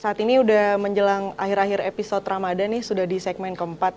saat ini sudah menjelang akhir akhir episode ramadan nih sudah di segmen keempat